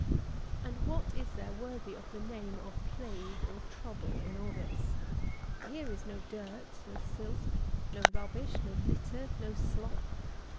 106. And what is there worthy of the name of plague, or trouble, in all this? Here is no dirt, no filth, no rubbish, no litter, no slop.